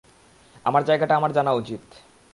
আমার জায়গাটা আমার জানা উচিত।